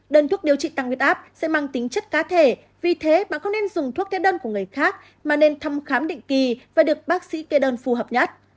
đơn thuốc điều trị tăng huyết áp sẽ mang tính chất cá thể vì thế bà không nên dùng thuốc tiết đơn của người khác mà nên thăm khám định kỳ và được bác sĩ kê đơn phù hợp nhất